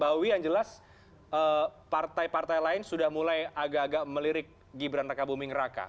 mbak wiwi yang jelas partai partai lain sudah mulai agak agak melirik gibran raka buming raka